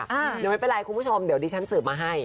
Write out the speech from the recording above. เดี๋ยวไม่เป็นไรคุณผู้ชมเดี๋ยวดิฉันสืบมาให้